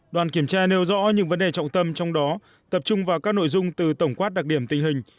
đoàn kiểm tra nêu rõ những vấn đề trọng tâm trong đó tập trung vào các nội dung từ tổng quát đặc điểm tình hình